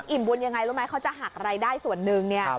บุญยังไงรู้ไหมเขาจะหักรายได้ส่วนหนึ่งเนี่ย